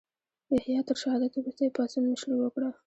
یحیی تر شهادت وروسته یې پاڅون مشري وکړه.